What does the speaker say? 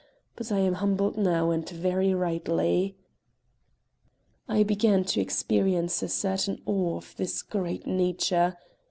But I am humbled now, and very rightly." I began to experience a certain awe of this great nature.